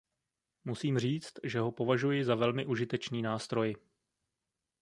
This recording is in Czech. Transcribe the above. Musím říct, že ho považuji za velmi užitečný nástroj.